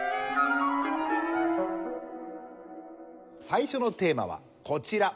最初のテーマはこちら。